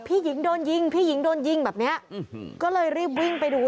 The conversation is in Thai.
พี่หญิงโดนยิงพี่หญิงโดนยิงแบบเนี้ยอืมก็เลยรีบวิ่งไปดู